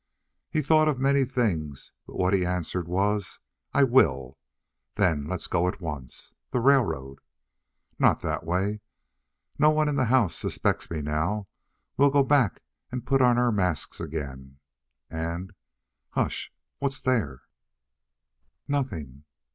He thought of many things, but what he answered was: "I will." "Then let's go at once. The railroad " "Not that way. No one in that house suspects me now. We'll go back and put on our masks again, and hush. What's there?" "Nothing."